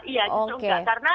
iya justru enggak